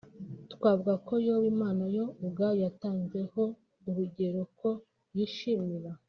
twavuga nka Yobu Imana yo ubwayo yatanze ho urugero ko yishimira